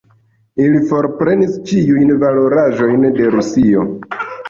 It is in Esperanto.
Ili forprenis ĉiujn valoraĵojn de Rusio.